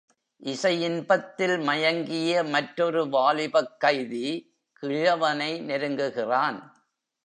இசை இன்பத்தில் மயங்கிய மற்றொரு வாலிபக் கைதி கிழவனை நெருங்குகிறான்.